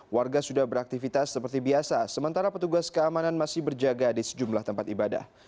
warga sudah beraktivitas seperti biasa sementara petugas keamanan masih berjaga di sejumlah tempat ibadah